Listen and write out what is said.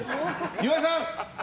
岩井さん！